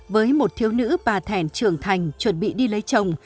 với một thiếu nữ bà thẻn trưởng thành chuẩn bị đi lấy chồng